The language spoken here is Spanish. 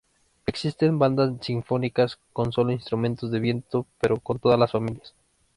Existen bandas sinfónicas con solo instrumentos de viento pero con todas las familias.